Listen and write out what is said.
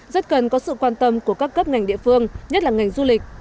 rất cần có sự quan tâm của các cấp ngành địa phương nhất là ngành du lịch